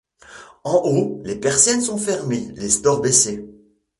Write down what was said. En haut, les persiennes sont fermées, les stores baissés.